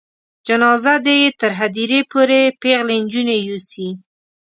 جنازه دې یې تر هدیرې پورې پیغلې نجونې یوسي.